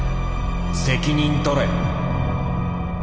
責任とれ」。